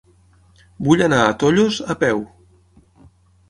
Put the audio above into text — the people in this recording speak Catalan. Vull anar a Tollos a peu.